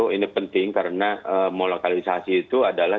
ini penting karena melokalisasi itu adalah